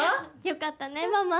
よかったねママ。